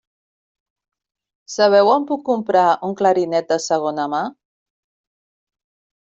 Sabeu on puc comprar un clarinet de segona mà?